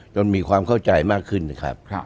มีความเข้าใจมากขึ้นนะครับ